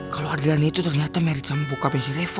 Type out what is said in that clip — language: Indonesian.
kalo adriana itu ternyata married sama bokapnya si reva